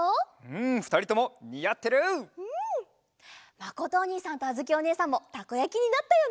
まことおにいさんとあづきおねえさんもたこやきになったよね。